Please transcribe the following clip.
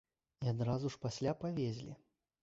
І адразу ж пасля павезлі.